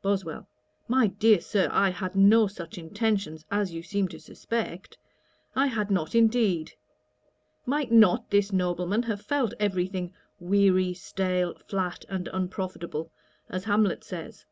BOSWELL. 'My dear Sir, I had no such intentions as you seem to suspect; I had not indeed. Might not this nobleman have felt every thing "weary, stale, flat, and unprofitable," as Hamlet says?'